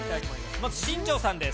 まず新庄さんです。